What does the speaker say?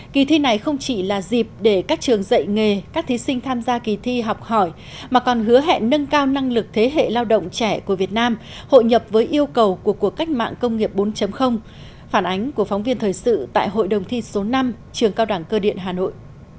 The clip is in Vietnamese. kỳ thi này không chỉ là dịp để các trường dạy nghề các thí sinh tham gia kỳ thi học hỏi mà còn hứa hẹn nâng cao năng lực thế hệ lao động trẻ của việt nam hội nhập với yêu cầu của cuộc cách mạng công nghiệp bốn phản ánh của phóng viên thời sự tại hội đồng thi số năm trường cao đẳng cơ điện hà nội